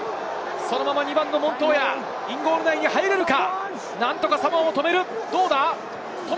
そのまま２番のモントーヤ、インゴールに入れるか？